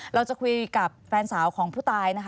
เราจะคุยกับแฟนสาวของผู้ตายนะคะ